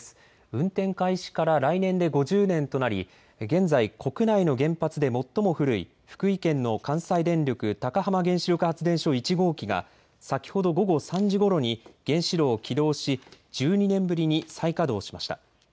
運転開始から来年で５０年となり現在、国内の原発で最も古い福井県の関西電力高浜原子力発電所１号機が先ほど午後３時ごろに原子炉を起動し１２年ぶりに再稼働しました。